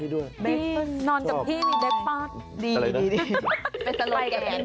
เบ็กฟาตดีนอนกับพี่มีเบ็กฟาตดีดีดีเป็นอะไรแก